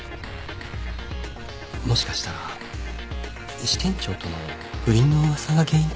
もしかしたら支店長との不倫の噂が原因かもしれませんね。